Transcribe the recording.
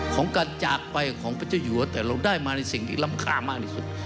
ของการจากไปของปัจจุยัวแต่เราได้มาในสิ่งที่รำคามากที่สุด